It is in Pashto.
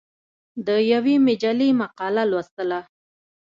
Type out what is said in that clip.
د یوې مجلې مقاله لوستله.